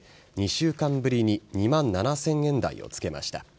２週間ぶりに２万７０００円台をつけました。